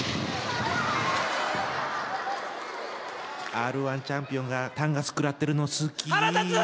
Ｒ−１チャンピオンが炭ガス食らってるの好き腹立つ！